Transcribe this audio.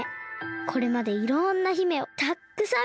これまでいろんな姫をたっくさんみてきました。